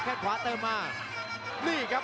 หัวจิตหัวใจแก่เกินร้อยครับ